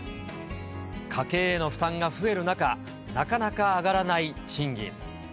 家計への負担が増える中、なかなか上がらない賃金。